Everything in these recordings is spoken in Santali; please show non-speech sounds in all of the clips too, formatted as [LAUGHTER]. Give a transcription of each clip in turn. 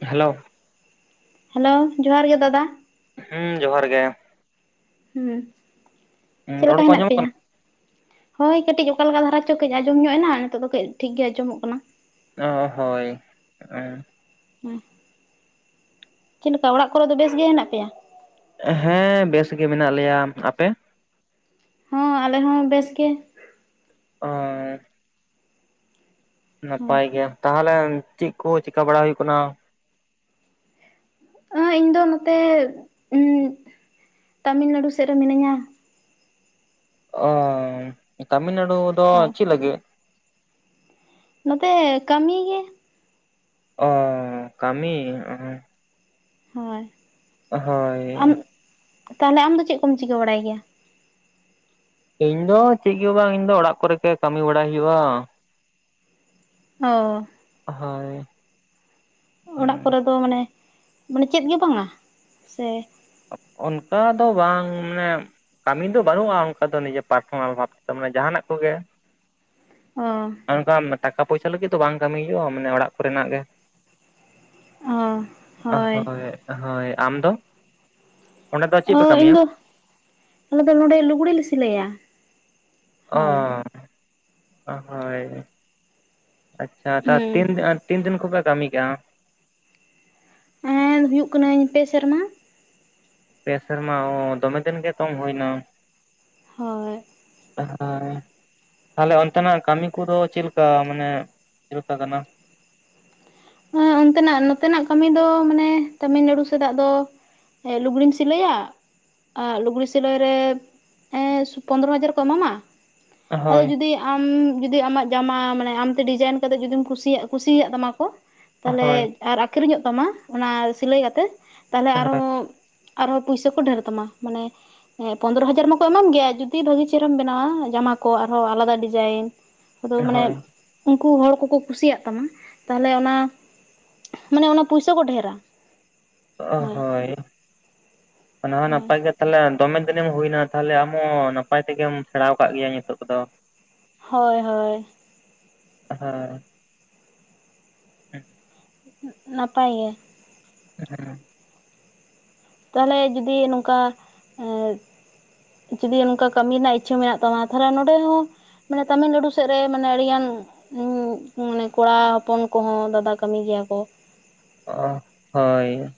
[INAUDIBLE] ᱦᱮᱞᱳ ᱦᱮᱞᱳ ᱡᱚᱦᱟᱨ ᱜᱮ ᱫᱟᱫᱟ ᱦᱩᱸ ᱡᱚᱦᱟᱨ ᱜᱮ [UNINTELLIGIBLE] ᱪᱮᱫ ᱨᱚᱲ ᱞᱮᱠᱟ ᱠᱚ ᱦᱮᱱᱟᱜ ᱟᱸᱡᱚᱢᱚᱜ ᱯᱮᱭᱟ ᱠᱟᱱᱟ ᱦᱳᱭ ᱠᱟᱹᱴᱤᱡ ᱚᱠᱟ ᱞᱮᱠᱟ ᱫᱷᱟᱨᱟ ᱪᱚ ᱠᱟᱹᱡ ᱟᱸᱡᱚᱢ ᱧᱚᱜ ᱮᱱᱟ ᱱᱤᱛᱚᱜ ᱫᱚ ᱠᱟᱹᱡ ᱴᱷᱤᱠ ᱜᱮ ᱟᱸᱡᱚᱢᱚᱜ ᱠᱟᱱᱟ [UNINTELLIGIBLE] ᱦᱳᱭ [UNINTELLIGIBLE] ᱦᱮᱸ [INAUDIBLE] ᱪᱮᱫ ᱞᱮᱠᱟ ᱚᱲᱟᱜ ᱠᱚᱨᱮ ᱫᱚ ᱵᱮᱥ ᱜᱮ ᱦᱮᱱᱟᱜ ᱯᱮᱭᱟ ᱦᱮᱸ ᱵᱮᱥ ᱜᱮ ᱢᱮᱱᱟᱜ ᱞᱮᱭᱟ ᱟᱯᱮ ᱦᱚᱸ ᱟᱞᱮ ᱦᱚᱸ ᱵᱮᱥ ᱜᱮ᱾ ᱟᱨ [INAUDIBLE] ᱦᱳᱭ ᱱᱟᱯᱟᱭ ᱜᱮ ᱛᱟᱦᱚᱞᱮ ᱪᱤᱫ ᱠᱚ ᱪᱮᱠᱟ ᱵᱟᱲᱟ ᱦᱩᱭᱩᱜ ᱠᱟᱱᱟ ᱟᱸᱡ ᱤᱧ ᱫᱚ ᱱᱚᱛᱮ ᱩᱜ ᱛᱟᱢᱤᱞ ᱱᱟᱹᱲᱩ ᱥᱮᱫ ᱨᱮ ᱢᱤᱱᱟᱹᱧᱟ᱾ ᱚ ᱛᱟᱢᱤᱞ ᱱᱟᱲᱩ ᱫᱚ ᱦᱳᱭ ᱪᱮᱫ ᱞᱟᱹᱜᱤᱫ ᱱᱚᱛᱮ ᱠᱟᱹᱢᱤ ᱜᱮ ᱚ ᱠᱟᱹᱢᱤ ᱚ ᱦᱳᱭ ᱟᱢ ᱦᱳᱭ ᱛᱟᱦᱚᱞᱮ ᱟᱢ ᱫᱚ ᱪᱮᱫ ᱠᱚᱢ ᱪᱤᱠᱟᱹ ᱵᱟᱲᱟᱭ ᱜᱮᱭᱟ ᱤᱧ ᱫᱚ ᱪᱮᱫ ᱜᱮ ᱵᱟᱝ ᱤᱧ ᱫᱚ ᱚᱲᱟᱜ ᱠᱚᱨᱮ ᱜᱮ ᱠᱟᱹᱢᱤ ᱵᱟᱲᱟᱭ ᱦᱩᱭᱩᱜᱼᱟ᱾ ᱚ ᱦᱳᱭ ᱚᱲᱟᱜ ᱠᱚᱨᱮ ᱫᱚ ᱢᱟᱱᱮ ᱵᱚᱞᱮ ᱪᱮᱫ ᱜᱮ ᱵᱟᱝᱟ ᱥᱮ ᱚᱱᱠᱟ ᱫᱚ ᱵᱟᱝ ᱢᱟᱱᱮᱜ ᱠᱟᱹᱢᱤ ᱫᱚ ᱵᱟᱹᱱᱩᱜᱼᱟ ᱚᱱᱠᱟ ᱫᱚ ᱱᱤᱡᱮ ᱯᱟᱨᱥᱚᱱᱟᱞ ᱵᱷᱟᱵ ᱛᱮᱫᱚ ᱢᱟᱱᱮ ᱡᱟᱦᱟᱱᱟᱜ ᱠᱚᱜᱮ ᱚ ᱚᱱᱠᱟ ᱴᱟᱠᱟ ᱯᱚᱭᱥᱟ ᱞᱟᱹᱜᱤᱫ ᱫᱚ ᱵᱟᱝ ᱠᱟᱹᱢᱤ ᱦᱩᱭᱩᱜᱼᱟ ᱢᱟᱱᱮ ᱚᱲᱟᱜ ᱠᱚᱨᱮᱱᱟᱜ ᱜᱮ᱾ ᱚ ᱦᱳᱭ ᱦᱳᱭ ᱟᱢ ᱫᱚ ᱚᱸᱰᱮ ᱫᱚ ᱪᱮᱫ ᱦᱳ ᱯᱮ ᱤᱧ ᱠᱟᱹᱢᱤᱭᱟ ᱫᱚ ᱟᱞᱮ ᱫᱚ ᱱᱚᱰᱮ ᱞᱩᱜᱽᱲᱤᱡ ᱞᱮ ᱥᱤᱞᱟᱹᱭᱟ᱾ ᱦᱳᱭ ᱚᱻ ᱚ ᱦᱳᱭ ᱟᱪᱪᱷᱟ ᱛᱟ ᱦᱩᱸ ᱛᱤᱱ ᱟᱨ ᱛᱤᱱ ᱫᱤᱱ ᱠᱷᱚᱯᱮ ᱠᱟᱹᱢᱤ ᱠᱮᱫᱼᱟ ᱦᱩᱭᱩᱜ ᱠᱟᱹᱱᱟᱹᱧ ᱯᱮ ᱥᱮᱨᱢᱟ ᱯᱮ ᱥᱮᱨᱢᱟ ᱚ ᱫᱚᱢᱮ ᱫᱤᱱ ᱜᱮ ᱛᱚᱢ ᱦᱩᱭᱱᱟ ᱦᱳᱭ ᱦᱮᱸ [UNINTELLIGIBLE] ᱛᱟᱦᱚᱞᱮ ᱚᱱᱛᱮᱱᱟᱜ ᱠᱟᱹᱢᱤ ᱠᱚᱫᱚ ᱪᱮᱫ ᱞᱮᱠᱟ ᱢᱟᱱᱮ ᱪᱮᱫ ᱞᱮᱠᱟ ᱠᱟᱱᱟ [INAUDIBLE] ᱚᱱᱛᱮᱱᱟᱜ ᱱᱚᱛᱮᱱᱟᱜ ᱠᱟᱹᱢᱤ ᱫᱚ ᱢᱟᱱᱮ ᱛᱟᱢᱤᱞᱱᱟᱹᱲᱩ ᱥᱮᱫᱟᱜ ᱫᱚ ᱮᱫ ᱞᱩᱜᱽᱲᱤᱢ ᱥᱤᱞᱟᱹᱭᱟ ᱞᱩᱜᱽᱲᱤ ᱥᱤᱞᱟᱹᱭ ᱨᱮ ᱯᱚᱱᱨᱚ ᱦᱟᱡᱟᱨ ᱠᱚ ᱮᱢᱟᱢᱟ ᱟᱫᱚ ᱦᱳᱭ ᱡᱩᱫᱤ ᱟᱢ ᱡᱩᱫᱤ ᱟᱢᱟᱜ ᱡᱟᱢᱟ ᱢᱟᱱᱮ ᱟᱢᱛᱮ ᱰᱤᱡᱟᱭᱤᱱ ᱠᱟᱛᱮᱜ ᱡᱩᱫᱤᱢ ᱠᱩᱥᱤᱭᱟᱜ ᱠᱩᱥᱤᱭᱟᱜ ᱛᱟᱢᱟ ᱠᱚ ᱛᱟᱦᱞᱮ ᱦᱳᱭ ᱟᱨ ᱟᱠᱷᱨᱤᱧᱚᱜ ᱛᱟᱢᱟ ᱚᱱᱟ ᱥᱤᱞᱟᱹᱭ ᱠᱟᱛᱮᱫ ᱛᱟᱦᱞᱮ ᱟᱨᱦᱚᱸ ᱟᱨᱦᱚ ᱯᱚᱭᱥᱟ ᱠᱚ ᱰᱷᱮᱨ ᱛᱟᱢᱟ ᱢᱟᱱᱮ ᱦᱮᱸ ᱯᱚᱸᱫᱽᱨᱚ ᱦᱟᱡᱟᱨ ᱢᱟᱠᱚ ᱮᱢᱟᱢ ᱜᱮᱭᱟ ᱡᱩᱫᱤ ᱵᱷᱟᱹᱜᱤ ᱪᱮᱦᱨᱟᱢ ᱵᱮᱱᱟᱣᱟ ᱡᱟᱢᱟ ᱠᱚ ᱟᱨᱦᱚᱸ ᱟᱞᱟᱫᱟ ᱰᱤᱡᱟᱭᱤᱱ ᱟᱫᱚ ᱢᱟᱱᱮ ᱦᱳᱭ ᱩᱱᱠᱩ ᱦᱚᱲ ᱠᱚᱠᱚ ᱠᱩᱥᱤᱭᱟᱜ ᱛᱟᱢᱟ ᱛᱟᱦᱚᱞᱮ ᱚᱱᱟ ᱢᱟᱱᱮ ᱚᱱᱟ ᱯᱩᱭᱥᱟᱹ ᱠᱚ ᱰᱷᱮᱨᱟ ᱚ ᱦᱳᱭ ᱚᱱᱟ ᱦᱚᱸ ᱦᱳᱭ ᱱᱟᱯᱟᱭ ᱜᱮᱛ ᱛᱟᱦᱚᱞᱮ ᱫᱚᱢᱮ ᱫᱤᱱᱮᱢ ᱦᱩᱭᱱᱟ ᱛᱟᱦᱞᱮ ᱟᱢᱦᱚᱸ ᱱᱟᱯᱟᱭ ᱛᱮᱜᱮᱢ ᱥᱮᱬᱟ ᱟᱠᱟᱫ ᱜᱮᱭᱟ ᱱᱤᱛᱚᱜ ᱠᱚᱫᱚ ᱦᱳᱭ ᱦᱳᱭ ᱦᱮᱸ ᱦᱮᱸ [INAUDIBLE] ᱱᱟᱯᱟᱭ ᱜᱮ ᱦᱮᱸ [UNINTELLIGIBLE] ᱛᱟᱦᱚᱞᱮ ᱡᱩᱫᱤ ᱱᱚᱝᱠᱟ ᱡᱩᱫᱤ ᱱᱚᱝᱠᱟ ᱠᱟᱹᱢᱤ ᱨᱮᱱᱟᱜ ᱤᱪᱪᱷᱟᱹ ᱢᱮᱱᱟᱜ ᱛᱟᱢᱟ ᱛᱟᱦᱚᱞᱮ ᱱᱚᱸᱰᱮ ᱦᱚᱸ ᱢᱟᱱᱮ ᱛᱟᱹᱢᱤᱞᱱᱟᱹᱲᱩ ᱥᱮᱫ ᱨᱮ ᱢᱟᱱᱮ ᱟᱹᱰᱤ ᱜᱟᱱ ᱢᱟᱱᱮ ᱠᱚᱲᱟ ᱦᱚᱯᱚᱱ ᱠᱚᱦᱚᱸ ᱫᱟᱫᱟ ᱠᱟᱹᱢᱤ ᱜᱮᱭᱟ ᱠᱚ ᱚ ᱦᱳᱭ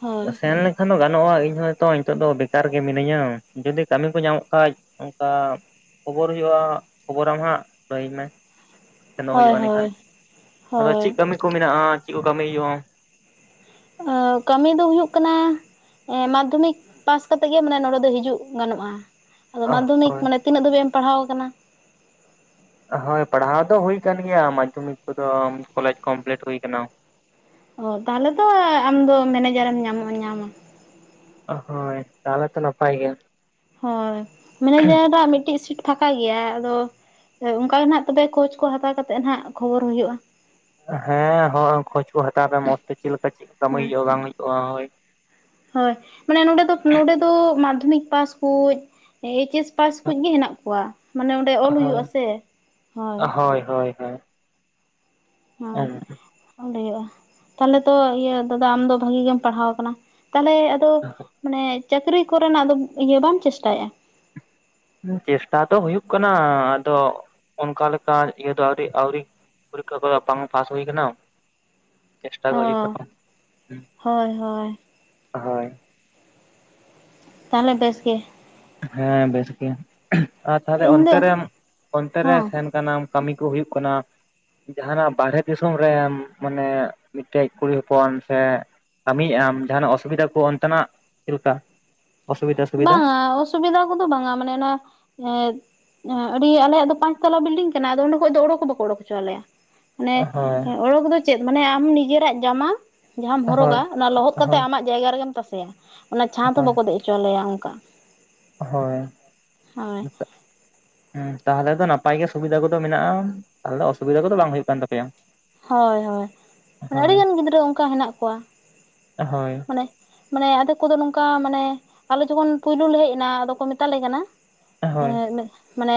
ᱦᱳᱭ ᱥᱮᱱ ᱞᱮᱱᱠᱷᱟᱱ ᱫᱚ ᱜᱟᱱᱚᱜᱼᱟ ᱤᱧ ᱦᱚᱭᱛᱚ ᱱᱤᱛᱚᱜ ᱫᱚ ᱵᱮᱠᱟᱨ ᱜᱮ ᱢᱤᱱᱟᱹᱧᱟ ᱡᱩᱫᱤ ᱠᱟᱹᱢᱤ ᱠᱚ ᱧᱟᱢᱚᱜ ᱠᱷᱟᱡ ᱚᱱᱠᱟ ᱠᱷᱚᱵᱚᱨ ᱦᱩᱭᱩᱜᱼᱟ ᱠᱷᱚᱵᱚᱨᱟᱢ ᱦᱟᱸᱜ ᱞᱟᱹᱭᱟᱹᱧ ᱢᱮ ᱥᱮᱱᱚ ᱦᱳᱭ ᱦᱩᱭᱩᱜᱼᱟ ᱦᱳᱭ ᱮᱸᱰᱮᱠᱷᱟᱱ ᱟᱫᱚ ᱦᱳᱭ ᱪᱮᱫ ᱠᱟᱹᱢᱤ ᱠᱚ ᱢᱮᱱᱟᱜᱼᱟ ᱪᱮᱫ ᱠᱚ ᱠᱟᱹᱢᱤ ᱦᱩᱭᱩᱜᱼᱟ ᱾ ᱠᱟᱹᱢᱤ ᱫᱚ ᱦᱩᱭᱩᱜ ᱠᱟᱱᱟ ᱾ ᱮᱸ ᱢᱟᱫᱽᱫᱷᱚᱢᱤᱠ ᱯᱟᱥ ᱠᱟᱛᱮᱜ ᱜᱮ ᱢᱟᱱᱮ ᱱᱚᱰᱮ ᱫᱚ ᱦᱤᱡᱩᱜ ᱜᱟᱱᱚᱜᱼᱟ ᱾ ᱟᱫᱚ ᱢᱟᱫᱽᱫᱷᱚᱢᱤᱠ ᱦᱳᱭ ᱢᱟᱱᱮ ᱛᱤᱱᱟᱹᱜ ᱫᱟᱹᱵᱤᱡ ᱮᱢ ᱯᱟᱲᱦᱟᱣ ᱟᱠᱟᱱᱟ ᱾ ᱦᱳᱭ ᱯᱟᱲᱦᱟᱣ ᱫᱚ ᱦᱩᱭ ᱟᱠᱟᱱ ᱜᱮᱭᱟ ᱢᱟᱫᱽᱫᱷᱚᱢᱤᱠ ᱠᱚᱫᱚ ᱠᱚᱞᱮᱡᱽ ᱠᱚᱢᱯᱞᱤᱴ ᱦᱩᱭᱟ ᱟᱠᱟᱱᱟ ᱾ ᱚ ᱛᱟᱦᱚᱞᱮ ᱫᱚ ᱟᱢ ᱫᱚ ᱢᱮᱱᱮᱡᱟᱨᱮᱢ ᱧᱟᱢᱚᱜᱼᱟ ᱧᱟᱢᱟ ᱾ ᱦᱳᱭ ᱛᱟᱦᱚᱞᱮ ᱛᱚ ᱱᱟᱯᱟᱭ ᱜᱮᱭᱟ ᱾ ᱦᱳᱭ ᱢᱮᱱᱮᱡᱟᱨᱟᱜ ᱢᱤᱫᱴᱤᱡ ᱥᱤᱴ ᱯᱷᱟᱠᱟ ᱜᱮᱭᱟ ᱟᱫᱚ ᱚᱱᱠᱟᱮ ᱱᱟᱦᱟᱜ ᱛᱚᱵᱮ ᱠᱳᱪ ᱠᱚ ᱦᱟᱛᱟᱣ ᱠᱟᱛᱮᱫ ᱱᱟᱦᱟᱜ ᱠᱷᱚᱵᱚᱨ ᱦᱩᱭᱩᱜᱼᱟ ᱾ ᱦᱮᱸ ᱦᱳ ᱠᱷᱚᱡ ᱠᱚ ᱦᱟᱛᱟᱣ ᱯᱮ ᱢᱚᱸᱡᱽ ᱛᱮ ᱪᱮᱫ ᱞᱮᱠᱟ ᱪᱮᱫ ᱠᱟᱹᱢᱤ ᱦᱳᱭ ᱦᱩᱭᱩᱜᱼᱟ ᱵᱟᱝ ᱦᱩᱭᱩᱜᱼᱟ ᱦᱳᱭ ᱾ ᱦᱳᱭ ᱢᱟᱱᱮ ᱱᱚᱰᱮ ᱫᱚ ᱱᱚᱰᱮ ᱫᱚ ᱢᱟᱫᱽᱫᱷᱚᱢᱤᱠ ᱯᱟᱥ ᱠᱚ ᱮᱭᱤᱪ ᱮᱥ ᱯᱟᱥ ᱠᱷᱚᱪ ᱜᱮ ᱦᱮᱱᱟᱜ ᱠᱚᱣᱟ ᱢᱟᱱᱮ ᱚᱸᱰᱮ ᱚᱞ ᱦᱳᱭ ᱦᱩᱭᱩᱜᱼᱟ ᱥᱮ ᱦᱳᱭ ᱾ ᱦᱳᱭ ᱦᱳᱭ ᱦᱳᱭ ᱦᱳᱭ ᱾ ᱦᱩᱭᱩᱜᱼᱟ ᱛᱟᱦᱚᱞᱮ ᱛᱚ ᱤᱭᱟᱹ ᱫᱟᱫᱟ ᱟᱢᱫᱚ ᱵᱷᱟᱜᱤ ᱜᱮᱢ ᱯᱟᱲᱦᱟᱣ ᱟᱠᱟᱱᱟ ᱛᱟᱦᱚᱞᱮ ᱟᱫᱚ ᱟ [INAUDIBLE] ᱢᱟᱱᱮ ᱪᱟᱹᱠᱨᱤ ᱠᱚᱨᱮᱱᱟᱜ ᱫᱚ ᱤᱭᱟᱹ ᱵᱟᱢ ᱪᱮᱥᱴᱟᱭᱮᱜᱼᱟ ᱾ ᱪᱮᱥᱴᱟ ᱫᱚ ᱦᱩᱭᱩᱜ ᱠᱟᱱᱟ ᱟᱫᱚ ᱚᱱᱠᱟ ᱞᱮᱠᱟ ᱤᱭᱟᱹ ᱫᱚ ᱟᱹᱣᱨᱤ ᱟᱹᱣᱨᱤ ᱯᱚᱨᱤᱠᱷᱟ ᱠᱚ ᱵᱟ ᱯᱟᱥ ᱦᱩᱭ ᱠᱟᱱᱟ ᱪᱮᱥᱴᱟ ᱚ ᱠᱚ ᱦᱩᱭᱩᱜ ᱠᱟᱱᱟ ᱦᱳᱭ ᱦᱳᱭ ᱦᱳᱭ ᱛᱟᱦᱚᱞᱮ ᱵᱮᱥ ᱜᱮ ᱦᱮᱸ ᱵᱮᱥ ᱜᱮ ᱟᱨ ᱛᱟᱦᱞᱮ ᱤᱧ ᱫᱚ ᱚᱱᱛᱮ ᱨᱮ ᱚᱱᱛᱮ ᱨᱮ ᱦᱮᱸ ᱥᱮᱱ ᱠᱟᱹᱢᱤ ᱠᱚ ᱦᱩᱭᱩᱜ ᱠᱟᱱᱟ ᱡᱟᱦᱟᱱᱟᱜ ᱵᱟᱨᱦᱮ ᱫᱤᱥᱚᱢ ᱨᱮ ᱢᱟᱱᱮ ᱢᱤᱫᱴᱮᱡ ᱠᱩᱲᱤ ᱦᱚᱯᱚᱱ ᱥᱮ ᱠᱟᱹᱢᱤᱭᱮᱫ ᱟᱢ ᱡᱟᱦᱟᱱᱟᱜ ᱚᱥᱩᱵᱤᱫᱟ ᱠᱚ ᱚᱱᱛᱮᱱᱟᱜ ᱪᱮᱫ ᱞᱮᱠᱟ ᱚᱥᱩᱵᱤᱫᱟ ᱥᱩᱵᱤᱫᱟ ᱵᱟᱝᱟ ᱚᱥᱩᱵᱤᱫᱟ ᱠᱚᱫᱚ ᱵᱟᱝᱟ ᱢᱟᱱᱮ ᱚᱱᱟ ᱮ ᱟᱹᱰᱤ ᱟᱞᱮᱭᱟᱜ ᱫᱚ ᱯᱟᱸᱪᱛᱟᱞᱟ ᱵᱤᱞᱰᱤᱝ ᱠᱟᱱᱟ ᱟᱫᱚ ᱚᱸᱰᱮ ᱠᱷᱚᱱᱚᱡ ᱫᱚ ᱚᱰᱚᱠ ᱠᱚ ᱵᱟᱠᱚ ᱚᱰᱚᱠ ᱦᱚᱪᱚᱣᱟ ᱞᱮᱭᱟ ᱾ ᱢᱟᱱᱮ ᱦᱳᱭ ᱚᱰᱳᱠ ᱫᱚ ᱪᱮᱫ ᱢᱟᱱᱮ ᱟᱢ ᱱᱤᱡᱮᱨᱟᱜ ᱡᱟᱢᱟ ᱡᱟᱦᱟᱸᱟᱢ ᱦᱚᱨᱚᱜᱟ ᱦᱳᱭ ᱚᱱᱟ ᱞᱚᱦᱚᱫ ᱠᱟᱛᱮ ᱦᱳᱭ ᱟᱢᱟᱜ ᱡᱟᱭᱜᱟ ᱨᱮᱜᱮᱢ ᱛᱟᱥᱮᱭᱟ ᱚᱱᱟ ᱪᱷᱟᱸᱫ ᱦᱚᱸ ᱦᱳᱭ ᱵᱟᱠᱚ ᱫᱮᱡ ᱦᱚᱪᱚ ᱣᱟᱞᱮᱭᱟ ᱚᱱᱠᱟ ᱦᱳᱭ ᱦᱳᱭ ᱦᱸ ᱛᱟᱦᱚᱞᱮ ᱫᱚ ᱱᱟᱯᱟᱭ ᱜᱮ ᱥᱩᱵᱤᱫᱟ ᱠᱚᱫᱚ ᱢᱮᱱᱟᱜᱼᱟ ᱛᱟᱦᱚᱞᱮ ᱫᱚ ᱚᱥᱩᱵᱤᱫᱟ ᱠᱚᱫᱚ ᱵᱟᱝ ᱦᱩᱭᱩᱜ ᱠᱟᱱ ᱛᱟᱯᱮᱭᱟ ᱾ ᱦᱳᱭ ᱦᱳᱭ ᱢᱟᱱᱮ ᱟᱹᱰᱤ ᱜᱟᱱ ᱜᱤᱫᱽᱨᱟᱹ ᱚᱱᱠᱟ ᱦᱮᱱᱟᱜ ᱠᱚᱣᱟ ᱢᱟᱱᱮ ᱢᱟᱱᱮ ᱟᱫᱷᱮᱠ ᱠᱚᱫᱚ ᱱᱚᱝᱠᱟ ᱢᱟᱱᱮ ᱟᱞᱮ ᱡᱚᱠᱷᱚᱱ ᱯᱩᱭᱞᱩ ᱞᱮ ᱦᱮᱡ ᱮᱱᱟ ᱟᱫᱚ ᱠᱚ ᱢᱮᱛᱟᱞᱮ ᱠᱟᱱᱟ ᱾ ᱢᱟᱱᱮ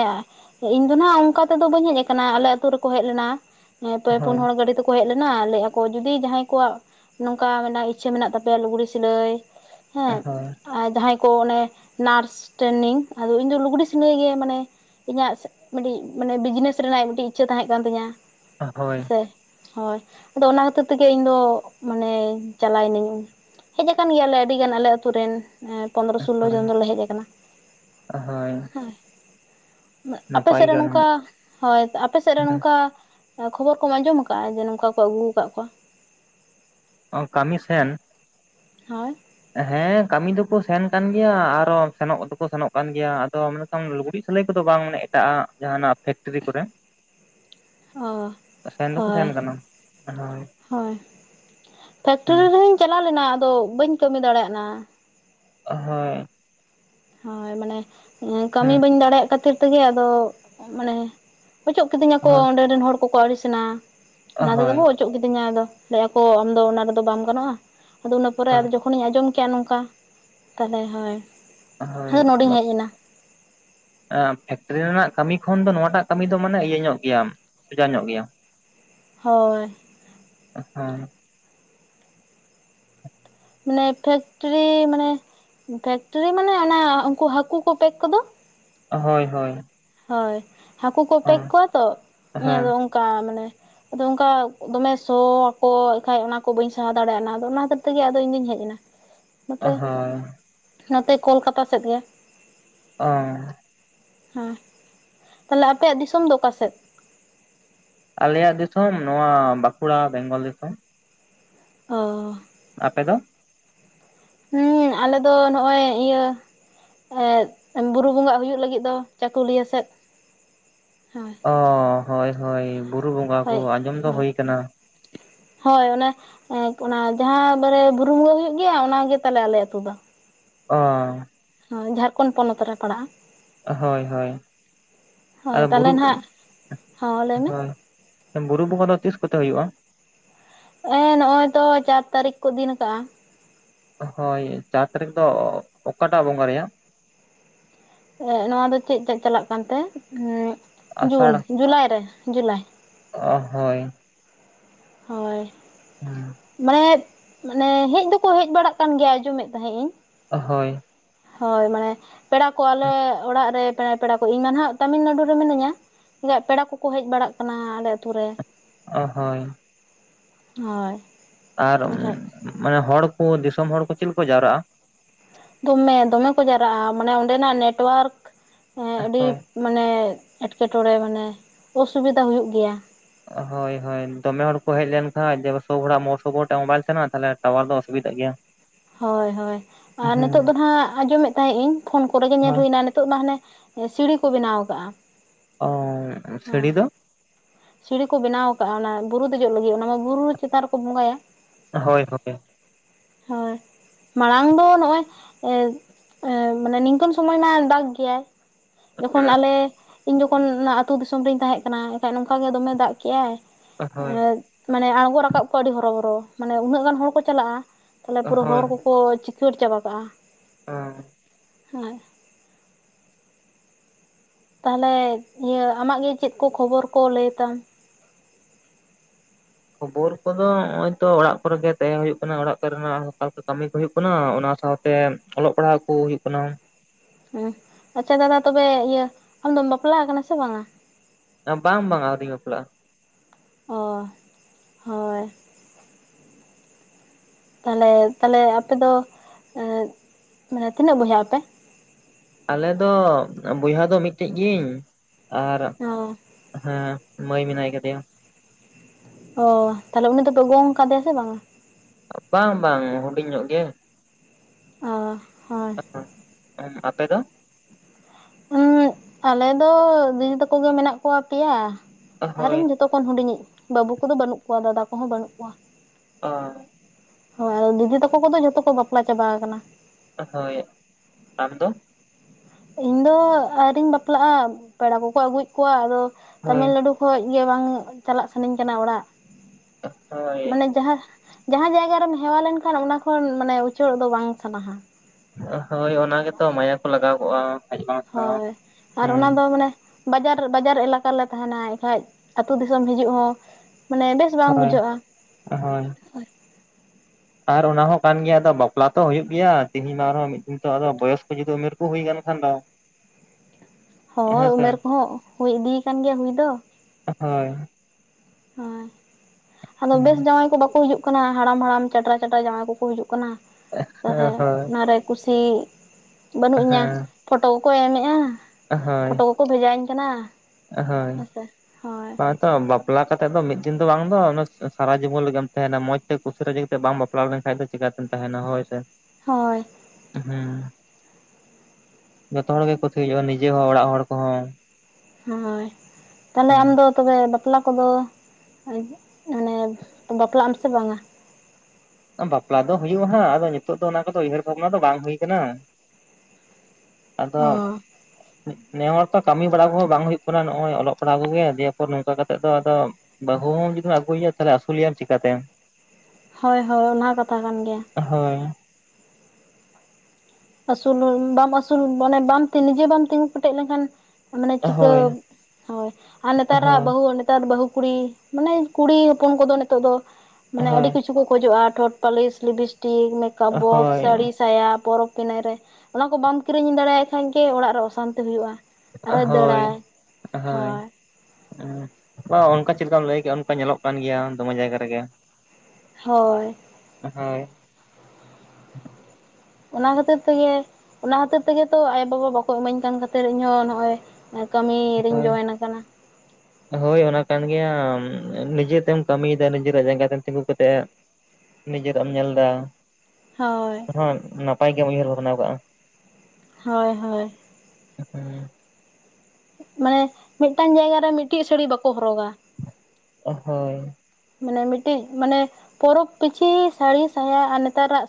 ᱤᱧ ᱫᱚ ᱦᱟᱜ ᱚᱱᱠᱟ ᱛᱮᱫᱚ ᱵᱟᱹᱧ ᱦᱮᱡ ᱟᱠᱟᱱᱟ ᱟᱞᱮ ᱟᱹᱛᱩ ᱨᱮᱠᱚ ᱦᱮᱡ ᱞᱮᱱᱟ ᱾ ᱯᱮ ᱯᱩᱱ ᱦᱚᱲ ᱜᱟᱹᱰᱤ ᱛᱮᱠᱚ ᱦᱮᱡ ᱞᱮᱱᱟ ᱞᱟᱹᱭ ᱟᱠᱚ ᱡᱩᱫᱤ ᱡᱟᱦᱟᱸᱭ ᱠᱚᱣᱟᱜ ᱾ ᱱᱚᱝᱠᱟ ᱢᱮᱱᱟᱜ ᱤᱪᱷᱟᱹ ᱢᱮᱱᱟᱜ ᱛᱟᱯᱮᱭᱟ ᱞᱩᱜᱽᱲᱤ ᱥᱤᱞᱟᱹᱭ ᱦᱮᱸ ᱟᱨ ᱡᱟᱦᱟᱸᱭ ᱠᱚ ᱚᱱᱮ ᱱᱟᱨᱥ ᱴᱨᱮᱱᱤᱝ ᱟᱫᱚ ᱤᱧ ᱫᱚ ᱞᱩᱜᱽᱲᱤ ᱥᱤᱞᱟᱹᱭ ᱜᱮ ᱢᱟᱱᱮ ᱤᱧᱟᱹᱜ ᱢᱤᱫᱴᱤᱡ ᱢᱟᱱᱮ ᱵᱤᱡᱽᱱᱮᱥ ᱨᱮᱱᱟᱜ ᱢᱤᱫᱴᱤᱡ ᱤᱪᱪᱷᱟᱹ ᱛᱟᱦᱮᱸ ᱠᱟᱱ ᱛᱤᱧᱟ ᱾ ᱦᱮᱸ ᱦᱳᱭ, ᱥᱮ ᱦᱳᱭ ᱟᱫᱚ ᱚᱱᱟ ᱠᱷᱟᱹᱛᱤᱨ ᱛᱮᱜᱮ ᱤᱧ ᱫᱚ ᱢᱟᱱᱮ ᱪᱟᱞᱟᱣ ᱮᱱᱟᱹᱧ ᱦᱮᱡ ᱟᱠᱟᱱ ᱜᱮᱭᱟᱞᱮ ᱟᱹᱰᱤ ᱜᱟᱱ ᱟᱞᱮ ᱟᱛᱩ ᱨᱮᱱ ᱯᱚᱱᱨᱚ ᱥᱳᱞᱞᱳ ᱦᱳᱭ, ᱡᱚᱱ ᱫᱚᱞᱮ ᱦᱮᱡ ᱟᱠᱟᱱᱟ ᱦᱳᱭ, ᱦᱮᱸ ᱟᱯᱮ ᱱᱟᱯᱟᱭ ᱥᱮᱫ ᱨᱮ ᱜᱮ ᱚᱱᱟ ᱱᱚᱝᱠᱟ ᱦᱚᱸ ᱦᱳᱭ ᱟᱯᱮ ᱥᱮᱫ ᱨᱮ ᱦᱮᱸ, ᱱᱚᱝᱠᱟ ᱾ ᱠᱷᱚᱵᱚᱨ ᱠᱚᱢ ᱟᱸᱡᱚᱢ ᱟᱠᱟᱫᱼᱟ ᱡᱮ ᱱᱚᱝᱠᱟ ᱠᱚ ᱟᱹᱜᱩ ᱟᱠᱟᱫ ᱠᱚᱣᱟ ᱾ ᱠᱟᱹᱢᱤ ᱥᱮᱱ ᱦᱳᱭ, ᱦᱮᱸ ᱠᱟᱹᱢᱤ ᱫᱚᱠᱚ ᱥᱮᱱ ᱠᱟᱱ ᱜᱮᱭᱟ ᱟᱨᱚ ᱥᱮᱱᱚᱜ ᱫᱚᱠᱚ ᱥᱮᱱᱚᱜ ᱠᱟᱱ ᱜᱮᱭᱟ ᱟᱫᱚ ᱞᱩᱜᱽᱲᱤᱡ ᱥᱤᱞᱟᱹᱭ ᱠᱚᱫᱚ ᱵᱟᱝ ᱢᱟᱱᱮ ᱮᱴᱟᱜ ᱡᱟᱦᱟᱱᱟᱜ ᱯᱷᱮᱠᱴᱨᱤ ᱠᱚᱨᱮ ᱚ ᱥᱮᱱ ᱫᱚᱠᱚ ᱥᱮᱱ ᱦᱳᱭ ᱠᱟᱱᱟ ᱦᱳᱭ ᱦᱳᱭ ᱯᱷᱮᱠᱴᱨᱤ ᱦᱩᱸ ᱨᱮᱦᱚᱧ ᱪᱟᱞᱟᱣ ᱞᱮᱱᱟ ᱟᱫᱚ ᱵᱟᱹᱧ ᱠᱟᱹᱢᱤ ᱫᱟᱲᱮᱭᱟᱜ ᱱᱟ ᱾ ᱦᱮᱸ ᱦᱳᱭ ᱢᱟᱱᱮ ᱠᱟᱹᱢᱤ ᱦᱩᱸ ᱵᱟᱹᱧ ᱫᱟᱲᱮᱭᱟᱜ ᱠᱷᱟᱹᱛᱤᱨ ᱛᱮᱜᱮ ᱟᱫᱚ ᱢᱟᱱᱮ ᱚᱪᱚᱜ ᱠᱤᱫᱤᱧᱟ ᱠᱚ ᱦᱳᱭ ᱚᱸᱰᱮ ᱨᱮᱱ ᱦᱚᱲ ᱠᱚᱠᱚ ᱟᱹᱲᱤᱥᱮᱱᱟ ᱚᱱᱟ ᱛᱮᱫᱚ ᱦᱳᱭ ᱠᱚ ᱚᱪᱚᱜ ᱠᱤᱫᱤᱧᱟ ᱟᱫᱚ ᱞᱟᱹᱭ ᱟᱠᱚ ᱟᱢᱫᱚ ᱚᱱᱟ ᱨᱮᱫᱚ ᱵᱟᱢ ᱜᱟᱱᱚᱜᱼᱟ ᱟᱫᱚ ᱚᱱᱟ ᱯᱚᱨᱮ ᱦᱳᱭ ᱟᱫᱚ ᱡᱚᱠᱷᱚᱱᱤᱧ ᱟᱸᱡᱚᱢ ᱠᱮᱭᱟ ᱱᱚᱝᱠᱟ ᱛᱟᱦᱚᱞᱮ ᱦᱳᱭ ᱟᱫᱚ ᱱᱚᱰᱮᱧ ᱢᱚᱡ ᱮᱱᱟ᱾ ᱮ ᱯᱷᱮᱠᱴᱨᱤ ᱨᱮᱱᱟᱜ ᱠᱟᱹᱢᱤ ᱠᱷᱚᱱ ᱫᱚ ᱱᱚᱣᱟᱴᱟᱜ ᱠᱟᱹᱢᱤ ᱫᱚ ᱢᱟᱱᱮ ᱤᱭᱟᱹ ᱧᱚᱜ ᱜᱮᱭᱟᱢ, ᱥᱚᱡᱟ ᱧᱚᱜ ᱜᱮᱭᱟ᱾ ᱦᱳᱭ ᱦᱮᱸ ᱢᱟᱱᱮ ᱯᱷᱮᱠᱴᱨᱤ ᱢᱟᱱᱮ ᱯᱷᱮᱠᱴᱨᱤ ᱢᱟᱱᱮ ᱚᱱᱟ ᱩᱱᱠᱩ ᱦᱟᱹᱠᱩ ᱠᱚ ᱯᱮᱠ ᱠᱚᱫᱚ, ᱦᱳᱭ ᱦᱳᱭ ᱦᱳᱭ ᱦᱟᱹᱠᱩ ᱠᱚ ᱯᱮᱠ ᱦᱳᱭ, ᱠᱚᱣᱟ ᱦᱮᱸ ᱛᱚᱫᱚ ᱚᱱᱠᱟ ᱢᱟᱱᱮ ᱟᱫᱚ ᱚᱱᱠᱟ ᱫᱚᱢᱮ ᱥᱚ ᱟᱠᱚ ᱮᱠᱷᱟᱡ ᱚᱱᱟ ᱠᱚ ᱵᱟᱹᱧ ᱥᱟᱦᱟ ᱫᱟᱲᱮᱭᱟᱜᱼᱟ ᱟᱫᱚ ᱚᱱᱟ ᱠᱷᱟᱹᱛᱤᱨ ᱛᱮᱜᱮ ᱟᱫᱚ ᱤᱧᱫᱚᱧ ᱦᱮᱡ ᱮᱱᱟ᱾ ᱱᱚᱛᱮ, ᱦᱳᱭ ᱱᱚᱛᱮ ᱠᱳᱞᱠᱟᱛᱟ ᱥᱮᱫ ᱜᱮ᱾ ᱚ ᱦᱮᱸ ᱛᱟᱦᱚᱞᱮ ᱟᱯᱮᱭᱟᱜ ᱫᱤᱥᱚᱢ ᱫᱚ ᱚᱠᱟ ᱥᱮᱫ? ᱟᱞᱮᱭᱟᱜ ᱫᱤᱥᱚᱢ ᱱᱚᱣᱟ ᱵᱟᱸᱠᱩᱲᱟ ᱵᱮᱝᱜᱚᱞ ᱫᱤᱥᱚᱢ᱾ ᱚ ᱟᱯᱮ ᱫᱚ? ᱦᱮᱸ ᱟᱞᱮ ᱫᱚ ᱱᱚᱜᱼᱚᱭ ᱤᱭᱟᱹ ᱮᱜ ᱵᱩᱨᱩ ᱵᱚᱸᱜᱟᱜ ᱦᱩᱭᱩᱜ ᱞᱟᱹᱜᱤᱫ ᱫᱚ ᱪᱟᱹᱠᱩᱞᱤᱭᱟᱹ ᱥᱮᱫ ᱦᱚᱭ᱾ ᱚ ᱦᱚᱭ ᱦᱚᱭ ᱵᱩᱨᱩ ᱵᱚᱸᱜᱟ ᱠᱚ ᱦᱳᱭ ᱟᱸᱡᱚᱢ ᱫᱚ ᱦᱳᱭ ᱦᱩᱭ ᱠᱟᱱᱟ᱾ ᱦᱳᱭ ᱚᱱᱮ ᱮ ᱚᱱᱟ ᱡᱟᱦᱟᱸ ᱵᱟᱨᱮ ᱵᱩᱨᱩ ᱵᱚᱝᱜᱟ ᱦᱩᱭᱩᱜ ᱜᱮᱭᱟ ᱚᱱᱟᱜᱮ ᱛᱟᱞᱮ ᱟᱞᱮ ᱟᱹᱛᱩ ᱫᱚ᱾ ᱚ ᱡᱷᱟᱲᱠᱷᱚᱸᱰ ᱯᱚᱱᱚᱛ ᱨᱮ ᱯᱟᱲᱟᱜᱼᱟ᱾ ᱦᱳᱭ ᱦᱳᱭ ᱦᱳᱭ ᱟᱫᱚ ᱛᱟᱦᱚᱞᱮ ᱵᱩᱨᱩ ᱱᱟᱦᱟᱜ ᱦᱚᱸ ᱞᱟᱹᱭ ᱢᱮ ᱦᱳᱭ ᱵᱩᱨᱩ ᱵᱚᱸᱜᱟ ᱫᱚ ᱛᱤᱥ ᱠᱚᱛᱮ ᱦᱩᱭᱩᱜᱼᱟ? ᱮᱸ ᱱᱚᱜ ᱚᱭ ᱛᱚ ᱪᱟᱨ ᱛᱟᱨᱤᱠᱷ ᱠᱚ ᱫᱤᱱ ᱟᱠᱟᱫ-ᱟ᱾ ᱦᱳᱭ ᱪᱟᱨ ᱛᱟᱹᱨᱤᱠᱷ ᱫᱚ ᱚᱠᱟᱴᱟᱜ ᱵᱚᱸᱜᱟ ᱨᱮᱭᱟᱜ? ᱮ ᱱᱚᱣᱟ ᱫᱚ ᱪᱮᱫ ᱪᱮᱫ ᱪᱟᱞᱟᱜ ᱠᱟᱱ ᱛᱮ ᱡᱩᱱ ᱡᱩᱞᱟᱭ ᱨᱮ ᱡᱩᱞᱟᱭ᱾ ᱚ ᱦᱳᱭ ᱦᱳᱭ ᱢᱟᱱᱮ ᱢᱟᱱᱮ ᱦᱮᱡ ᱫᱚᱠᱚ ᱦᱮᱡ ᱵᱟᱲᱟᱜ ᱠᱟᱱ ᱜᱮᱭᱟ ᱟᱸᱡᱚᱢᱮᱫ ᱛᱟᱦᱮᱸᱫ ᱤᱧ᱾ ᱦᱳᱭ ᱦᱳᱭ ᱢᱟᱱᱮ ᱯᱮᱲᱟ ᱠᱚ ᱟᱞᱮ ᱚᱲᱟᱜ ᱨᱮ ᱯᱮᱲᱟ ᱯᱮᱲᱟ ᱠᱚ ᱤᱧ ᱢᱟ ᱱᱟᱦᱟᱜ ᱛᱟᱹᱟᱢᱤᱞᱱᱟᱹᱰᱩ ᱨᱮ ᱢᱤᱱᱟᱹᱧᱟ ᱯᱮᱲᱟ ᱠᱚᱠᱚ ᱦᱮᱡ ᱵᱟᱲᱟᱜ ᱠᱟᱱᱟ ᱟᱞᱮ ᱟᱛᱩ ᱨᱮ᱾ ᱚ ᱦᱳᱭ ᱦᱳᱭ ᱟᱨ ᱮᱱᱠᱷᱟᱡ ᱢᱟᱱᱮ ᱦᱚᱲᱠᱚ ᱫᱤᱥᱚᱢ ᱦᱚᱲᱠᱩ ᱪᱮᱞᱠᱚ ᱡᱟᱣᱨᱟᱜᱼᱟ? ᱫᱚᱢᱮ ᱫᱚᱢᱮ ᱠᱚ ᱡᱟᱣᱨᱟᱜᱼᱟ ᱢᱟᱱᱮ ᱚᱸᱰᱮᱱᱟᱜ ᱱᱮᱴᱣᱟᱨᱠ ᱟᱹᱰᱤ ᱦᱳᱭ ᱢᱟᱱᱮ ᱮᱴᱠᱮᱴᱚᱬᱮ ᱢᱟᱱᱮ ᱚᱥᱩᱵᱤᱫᱟ ᱦᱩᱭᱩᱜ ᱜᱮᱭᱟ᱾ ᱦᱳᱭ ᱦᱳᱭ ᱫᱚᱢᱮ ᱦᱚᱲ ᱠᱚ ᱦᱮᱡ ᱞᱮᱱ ᱠᱷᱟᱡ ᱡᱮ ᱥᱚᱵ ᱦᱚᱲᱟᱜ ᱢᱳ ᱥᱚ ᱜᱚᱴᱟᱝ ᱢᱳᱵᱟᱭᱤᱞ ᱛᱟᱦᱮᱱᱟ ᱛᱟᱦᱚᱞᱮ ᱴᱟᱣᱟᱨ ᱫᱚ ᱚᱥᱩᱵᱤᱫᱟᱜ ᱜᱮᱭᱟ᱾ ᱦᱳᱭ ᱦᱳᱭ ᱟᱨ ᱦᱮᱸ ᱱᱤᱛᱚᱜ ᱫᱚ ᱱᱟᱦᱟᱜ ᱟᱸᱡᱚᱢᱮᱫ ᱛᱟᱦᱮᱸᱱᱤᱧ ᱯᱷᱳᱱ ᱠᱚᱨᱮ ᱜᱮ ᱧᱮᱞ ᱦᱳᱭ ᱦᱩᱭᱱᱟ ᱱᱤᱛᱚᱜ ᱢᱟ ᱦᱟᱱᱮ ᱥᱤᱲᱤ ᱠᱚ ᱵᱮᱱᱟᱣ ᱠᱟᱜ-ᱟ᱾ ᱚᱻ ᱥᱟᱹᱲᱤ ᱫᱚ? ᱥᱤᱲᱤ ᱠᱚ ᱵᱮᱱᱟᱣ ᱟᱠᱟᱟᱜᱼᱟ, ᱚᱱᱟ ᱵᱩᱨᱩ ᱫᱮᱡᱚᱜ ᱞᱟᱹᱜᱤᱫ ᱚᱱᱟ ᱢᱟ ᱵᱩᱨᱩ ᱨᱮ ᱪᱮᱛᱟᱱ ᱨᱮᱠᱚ ᱵᱚᱸᱜᱟᱭᱟ᱾ ᱦᱳᱭ ᱦᱳᱭ ᱦᱳᱭ ᱢᱟᱲᱟᱝ ᱫᱚ ᱱᱚᱜᱼᱚᱭ ᱮ ᱮ ᱢᱟᱱᱮ ᱱᱤᱝᱠᱚᱱ ᱥᱚᱢᱚᱭ ᱢᱟ ᱫᱟᱜ ᱜᱮᱭᱟᱭ᱾ ᱡᱚᱠᱷᱚᱱ ᱦᱮᱸ ᱟᱞᱮ ᱤᱧ ᱡᱚᱠᱷᱚᱱ ᱚᱱᱟ ᱟᱹᱛᱩ ᱫᱤᱥᱚᱢ ᱨᱤᱧ ᱛᱟᱦᱮᱸ ᱠᱟᱱᱟ ᱮᱠᱷᱟᱡ ᱱᱚᱝᱠᱟ ᱜᱮ ᱫᱚᱢᱮ ᱫᱟᱜ ᱠᱮᱜᱼᱟᱭ᱾ ᱦᱳᱭ ᱢᱟᱱᱮ ᱟᱬᱜᱚ ᱨᱟᱠᱟᱵ ᱠᱚ ᱟᱹᱰᱤ ᱦᱚᱨᱚᱵᱚᱨᱚ ᱢᱟᱱᱮ ᱩᱱᱟᱹᱜ ᱜᱟᱱ ᱦᱚᱲ ᱠᱚ ᱪᱟᱞᱟᱜᱼᱟ ᱛᱟᱦᱞᱮ ᱯᱩᱨᱟᱹ ᱦᱳᱭ ᱦᱚᱨ ᱠᱚᱠᱚ ᱪᱤᱠᱟᱹᱲ ᱪᱟᱵᱟ ᱠᱟᱜᱼᱟ [INAUDIBLE] ᱦᱳᱭ ᱛᱟᱦᱚᱞᱮ ᱤᱭᱟᱹ ᱟᱢᱟᱜ ᱜᱮ ᱪᱮᱫ ᱠᱚ ᱠᱷᱚᱵᱚᱨ ᱠᱚ ᱞᱟᱹᱭ ᱛᱟᱢ ᱠᱷᱚᱵᱳᱚᱨ ᱠᱚᱫᱚ ᱱᱚᱜ ᱚᱭ ᱛᱚ ᱚᱲᱟᱜ ᱠᱚᱨᱮ ᱜᱮ ᱛᱟᱦᱮᱸ ᱦᱩᱭᱩᱜ ᱠᱟᱱᱟ ᱚᱲᱟᱜ ᱠᱚᱨᱮᱱᱟᱜ ᱠᱟᱹᱢᱤ ᱠᱚ ᱦᱩᱭᱩᱜ ᱠᱟᱱᱟ ᱚᱱᱟ ᱥᱟᱶᱛᱮ ᱛᱮ ᱚᱞᱚᱜ ᱯᱟᱲᱦᱟᱣ ᱠᱚ ᱦᱩᱭᱩᱜ ᱠᱟᱱᱟ ᱦᱸ ᱟᱪᱪᱷᱟ ᱫᱟᱫᱟ ᱛᱚᱵᱮ ᱤᱭᱟᱹ ᱟᱢ ᱫᱚᱢ ᱵᱟᱯᱞᱟ ᱟᱠᱟᱱᱟ ᱥᱮ ᱵᱟᱝ-ᱟ ᱵᱟᱝ ᱵᱟᱝ ᱟᱣᱨᱤᱧ ᱵᱟᱯᱞᱟᱜ-ᱟ ᱚ ᱦᱳᱭ ᱛᱟᱦᱚᱞᱮ ᱛᱟᱦᱚᱞᱮ ᱟᱯᱮ ᱫᱚ ᱢᱟᱱᱮ ᱛᱤᱱᱟᱹᱜ ᱵᱚᱭᱦᱟᱜ ᱟᱯᱮ ᱟᱞᱮ ᱫᱚ ᱵᱚᱭᱦᱟ ᱫᱚ ᱢᱤᱫᱴᱮᱡ ᱜᱤᱭᱟᱹᱧ ᱟᱨ ᱚ ᱦᱮᱸ ᱢᱟᱹᱭ ᱢᱮᱱᱟᱭ ᱠᱟᱫᱮᱭᱟ ᱚ ᱛᱟᱦᱚᱞᱮ ᱩᱱᱤ ᱫᱚ ᱯᱮ ᱜᱚᱝ ᱠᱟᱫᱮᱭᱟ ᱥᱮ ᱵᱟᱝᱟ ᱵᱟᱝ ᱵᱟᱝ ᱦᱩᱰᱤᱧ ᱧᱚᱜ ᱜᱮᱭᱟᱭ ᱚ ᱦᱳᱭ ᱟᱯᱮ ᱫᱚ ᱩᱜ ᱟᱞᱮ ᱫᱚ ᱫᱤᱫᱤ ᱛᱟᱠᱚ ᱜᱮ ᱢᱮᱱᱟᱜ ᱠᱚᱣᱟ ᱯᱮᱭᱟ ᱟᱨ ᱦᱳᱭ ᱤᱧ ᱡᱚᱛᱚ ᱡᱚᱛᱚᱠᱷ ᱠᱷᱚᱱ ᱦᱩᱰᱤᱧᱤᱡ ᱵᱟᱹᱵᱩ ᱠᱚᱫᱚ ᱵᱟᱹᱱᱩᱜ ᱠᱚᱣᱟ ᱫᱟᱫᱟ ᱠᱚᱦᱚᱸ ᱵᱟᱹᱱᱩᱜ ᱠᱚᱣᱟ ᱚ ᱦᱳᱭ ᱟᱨ ᱫᱤᱫᱤ ᱛᱟᱠᱚ ᱠᱚᱫᱚ ᱡᱷᱚᱛᱚ ᱠᱚ ᱵᱟᱯᱞᱟ ᱪᱟᱵᱟ ᱟᱠᱟᱱᱟ ᱦᱳᱭ ᱟᱢ ᱫᱚ ᱤᱧ ᱫᱚ ᱟᱣᱨᱤᱧ ᱵᱟᱯᱞᱟᱜᱼᱟ ᱯᱮᱲᱟ ᱠᱚᱠᱚ ᱟᱹᱜᱩᱭᱮᱫ ᱠᱚᱣᱟ ᱟᱫᱚ ᱦᱳᱭ ᱛᱟᱢᱤᱞᱱᱟᱹᱲᱩ ᱠᱷᱚᱡ ᱤᱭᱟᱹ ᱵᱟᱝ ᱪᱟᱞᱟᱜ ᱥᱟᱱᱟᱧ ᱠᱟᱱᱟ ᱚᱲᱟᱜ ᱦᱳᱭ ᱢᱟᱱᱮ ᱡᱟᱦᱟᱸ ᱡᱟᱦᱟᱸ ᱡᱟᱭᱜᱟ ᱨᱮᱢ ᱦᱮᱣᱟ ᱞᱮᱱᱠᱷᱟᱱ ᱚᱱᱟ ᱠᱷᱚᱱ ᱢᱟᱱᱮ ᱩᱪᱟᱹᱲ ᱫᱚ ᱵᱟᱝ ᱥᱟᱱᱟᱣᱟ ᱦᱳᱭ ᱚᱱᱟ ᱜᱮᱛᱚ ᱢᱟᱭᱟ ᱠᱚ ᱞᱟᱜᱟᱣ ᱠᱚᱜᱼᱟ ᱠᱷᱟᱡ ᱵᱟᱝ ᱥᱟᱱᱟᱣᱟ ᱦᱳᱭ ᱟᱨ ᱦᱮᱸ ᱚᱱᱟᱫᱚ ᱢᱟᱱᱮ ᱵᱟᱡᱟᱨ ᱵᱟᱡᱟᱨ ᱮᱞᱟᱠᱟ ᱨᱮ ᱞᱮ ᱛᱟᱦᱮᱱᱟ ᱮᱠᱷᱟᱡ ᱟᱛᱩ ᱫᱤᱥᱚᱢ ᱦᱤᱡᱩᱜ ᱦᱚᱸ ᱢᱟᱱᱮ ᱵᱮᱥ ᱵᱟᱝ ᱦᱳᱭ ᱵᱩᱡᱷᱟᱹᱜᱼᱟ ᱦᱳᱭ ᱟᱨ ᱚᱱᱟ ᱦᱚᱸᱚᱸ ᱠᱟᱱ ᱜᱮᱭᱟ ᱟᱫᱚ ᱵᱟᱯᱞᱟ ᱛᱚ ᱦᱩᱭᱩᱜ ᱜᱮᱭᱟ ᱛᱮᱦᱤᱧ ᱵᱟᱝ ᱨᱮᱦᱚᱸ ᱢᱤᱫ ᱫᱤᱱ ᱛᱚ ᱟᱫᱚ ᱵᱚᱭᱚᱥ ᱠᱚ ᱡᱩᱫᱤ ᱩᱢᱮᱨ ᱠᱚ ᱦᱩᱭ ᱠᱟᱱ ᱠᱷᱟᱱ ᱫᱚ ᱦᱚᱭ ᱦᱮᱸ ᱥᱮ ᱩᱢᱮᱨ ᱠᱚᱦᱚᱸ ᱦᱳᱭ ᱤᱫᱤ ᱟᱠᱟᱱ ᱜᱮᱭᱟ ᱦᱩᱭ ᱫᱚ ᱦᱳᱭ ᱦᱳᱭ ᱟᱫᱚ ᱦᱮᱸ ᱵᱮᱥ ᱡᱟᱶᱟᱭ ᱠᱚ ᱵᱟᱠᱚ ᱦᱤᱡᱩᱜ ᱠᱟᱱᱟ ᱦᱟᱲᱟᱢ ᱦᱟᱲᱟᱢ ᱪᱟᱴᱨᱟ ᱪᱟᱴᱨᱟ ᱡᱟᱶᱟᱭ ᱠᱚᱠᱚ ᱦᱤᱡᱩᱜ ᱠᱟᱱᱟ ᱛᱟᱞᱦᱮ ᱦᱳᱭ ᱚᱱᱟᱨᱮ ᱠᱩᱥᱤ ᱵᱟᱹᱱᱩᱜ ᱤᱧᱟᱹ ᱯᱷᱳᱴᱳ ᱠᱚᱠᱚ ᱮᱢᱮᱜᱼᱟ ᱦᱮᱸ ᱦᱳᱭ ᱯᱷᱳᱴᱳ ᱠᱚ ᱠᱚ ᱵᱷᱮᱡᱟ ᱟᱹᱧ ᱠᱟᱱᱟ ᱦᱮᱸᱥᱮ ᱦᱳᱭ ᱦᱮᱸᱛᱚ ᱵᱟᱯᱞᱟ ᱠᱟᱛᱮᱜ ᱫᱚ ᱢᱤᱫ ᱫᱤᱱ ᱫᱚ ᱵᱟᱝ ᱫᱚ ᱥᱟᱨᱟ ᱡᱤᱵᱚᱱ ᱞᱮᱜᱮᱢ ᱛᱟᱦᱮᱱᱟ ᱢᱚᱸᱡᱽ ᱛᱮ ᱠᱩᱥᱤ ᱨᱟᱡᱤ ᱵᱟᱢ ᱵᱟᱯᱞᱟ ᱞᱮᱱᱠᱷᱟᱱ ᱫᱚ ᱪᱤᱠᱟᱛᱮᱢ ᱛᱟᱦᱮᱱᱟ ᱦᱳᱭ ᱥᱮ ᱦᱳᱭ ᱦᱩᱸ ᱡᱚᱛᱚ ᱦᱚᱲ ᱜᱮ ᱠᱩᱥᱤ ᱦᱩᱭᱩᱜᱼᱟ ᱱᱤᱡᱮ ᱦᱚᱸ ᱚᱲᱟᱜ ᱦᱚᱲ ᱠᱚᱦᱚᱸ ᱦᱳᱭ ᱛᱟᱦᱞᱮ ᱦᱮᱸ ᱟᱢᱫᱚ ᱛᱚᱵᱮ ᱵᱟᱯᱞᱟ ᱠᱚᱫᱚ ᱢᱟᱱᱮ ᱵᱟᱯᱞᱟᱜ ᱟᱢ ᱥᱮ ᱵᱟᱝᱼᱟ ᱵᱟᱯᱞᱟ ᱫᱚ ᱦᱩᱭᱩᱜᱼᱟ ᱦᱟᱜ ᱟᱫᱚ ᱱᱤᱛᱚᱜ ᱫᱚ ᱚᱱᱟ ᱠᱚᱫᱚ ᱩᱭᱦᱟᱹᱨ ᱵᱷᱟᱵᱽᱱᱟ ᱫᱚ ᱵᱟᱝ ᱦᱩᱭ ᱠᱟᱱᱟ ᱟᱫᱚ ᱚ ᱱᱮ ᱦᱚᱲᱛᱚ ᱠᱟᱹᱢᱤ ᱵᱟᱲᱟ ᱠᱚᱦᱚᱸ ᱵᱟᱝ ᱦᱩᱭᱩᱜ ᱠᱟᱱᱟ ᱱᱚᱜᱼᱚᱭ ᱚᱞᱚᱜ ᱯᱟᱲᱦᱟᱜ ᱠᱚᱜᱮ ᱫᱤᱭᱮᱯᱚᱨ ᱱᱚᱝᱠᱟ ᱠᱟᱛᱮᱜ ᱫᱚ ᱟᱫᱚ ᱵᱟᱹᱦᱩ ᱦᱚᱸ ᱡᱩᱫᱤᱢ ᱟᱹᱜᱩ ᱮᱭᱟ ᱛᱟᱷᱚᱞᱮ ᱟᱥᱩᱞ ᱮᱭᱟᱢ ᱪᱤᱠᱟᱹ ᱛᱮ ᱦᱳᱭ ᱦᱳᱭ ᱚᱱᱟ ᱦᱚᱸ ᱠᱟᱛᱷᱟ ᱠᱟᱱ ᱜᱮᱭᱟ ᱦᱳᱭ ᱟᱹᱥᱩᱞ ᱵᱟᱢ ᱟᱹᱥᱩᱞ ᱢᱟᱱᱮ ᱵᱟᱢ ᱛᱮ ᱱᱤᱡᱮ ᱵᱟᱢ ᱛᱤᱸᱜᱩ ᱠᱮᱴᱮᱡ ᱞᱮᱱᱠᱷᱟᱱ ᱢᱟᱱᱮ ᱪᱤᱠᱟᱹ ᱦᱳᱭ ᱦᱳᱭ ᱟᱨ ᱱᱮᱛᱟᱨᱟᱜ ᱦᱳᱭ ᱵᱟᱦᱩ ᱱᱮᱛᱟᱨ ᱵᱟᱹᱦᱩ ᱠᱩᱲᱤ ᱢᱟᱱᱮ ᱠᱩᱲᱤ ᱦᱚᱯᱚᱱ ᱠᱚᱫᱚ ᱱᱤᱛᱚᱜ ᱫᱚ ᱢᱟᱱᱮ ᱟᱹᱰᱤ ᱦᱳᱭ ᱠᱤᱪᱷᱩ ᱠᱚ ᱠᱷᱚᱡᱚᱜᱼᱟ ᱴᱷᱚᱴ ᱯᱟᱞᱤᱥ ᱞᱤᱵᱤᱥᱴᱤᱠ ᱢᱮᱠᱟᱯ ᱵᱚᱠᱥ ᱦᱳᱭ ᱥᱟᱹᱲᱤ ᱥᱟᱭᱟ ᱯᱚᱨᱚᱵᱽ ᱯᱤᱱᱟᱭ ᱨᱮ ᱚᱱᱟ ᱠᱚ ᱵᱟᱢ ᱠᱤᱨᱤᱧ ᱫᱟᱲᱮᱭᱟᱭ ᱠᱷᱟᱡ ᱜᱮ ᱚᱲᱟᱜ ᱨᱮ ᱚᱥᱟᱱᱛᱤ ᱦᱩᱭᱩᱜᱼᱟ ᱟᱨᱚᱸᱭ ᱦᱳᱭ ᱫᱟᱹᱲᱟᱭ ᱦᱳᱭ ᱵᱟ ᱚᱱᱠᱟ ᱪᱮᱜᱠᱟᱢ ᱞᱟᱹᱭ ᱠᱮᱭᱮ ᱚᱱᱠᱟ ᱧᱮᱞᱚᱜ ᱠᱟᱱ ᱜᱮᱭᱟ ᱫᱚᱢᱮ ᱡᱟᱭᱜᱟ ᱨᱮᱜᱮ ᱦᱳᱭ ᱦᱳᱭ ᱚᱱᱟ ᱠᱷᱟᱹᱛᱤᱨ ᱛᱮᱜᱮ ᱚᱱᱟ ᱠᱷᱟᱹᱛᱤᱨ ᱛᱮᱜᱮ ᱛᱚ ᱟᱭᱳ ᱵᱟᱵᱟ ᱵᱟᱠᱚ ᱤᱢᱟᱹᱧ ᱠᱟᱱ ᱠᱷᱟᱹᱛᱤᱨ ᱤᱧᱦᱚ ᱱᱚᱜᱼᱚᱭ ᱠᱟᱹᱢᱤ ᱨᱤᱧ ᱦᱳᱭ ᱡᱚᱭᱮᱱ ᱟᱠᱟᱱᱟ ᱦᱳᱭ ᱚᱱᱟ ᱠᱟᱱ ᱜᱮᱭᱟ ᱱᱤᱡᱮ ᱛᱮᱢ ᱠᱟᱹᱢᱤᱭᱫᱟ ᱱᱤᱡᱮᱨᱟᱜ ᱡᱟᱸᱜᱟ ᱛᱮᱢ ᱛᱤᱸᱜᱩ ᱠᱟᱛᱮ ᱱᱤᱡᱮᱨᱟᱜ ᱮᱢ ᱧᱮᱞ ᱫᱟ ᱦᱳᱭ ᱱᱟᱯᱟᱭ ᱜᱮᱢ ᱩᱭᱦᱟᱹᱨ ᱵᱷᱟᱵᱱᱟ ᱠᱟᱜᱼᱟ ᱦᱳᱭ ᱦᱳᱭ ᱦᱩᱸ ᱢᱟᱱᱮ ᱢᱤᱫᱴᱟᱝ ᱡᱟᱭᱜᱟᱨᱮ ᱢᱤᱫᱴᱮᱡ ᱥᱟᱹᱲᱤ ᱵᱟᱠᱚ ᱦᱚᱨᱚᱜᱟ ᱚ ᱦᱳᱭ ᱢᱟᱱᱮ ᱢᱤᱫᱴᱮᱡ ᱢᱟᱱᱮ ᱯᱚᱨᱚᱵᱽ ᱯᱤᱪᱷᱤ ᱥᱟᱹᱲᱤ ᱥᱟᱭᱟ ᱟᱨ ᱱᱮᱛᱟᱨᱟᱜ